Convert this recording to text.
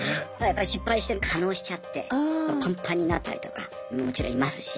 やっぱり失敗して化のうしちゃってパンパンになったりとかもちろんいますし。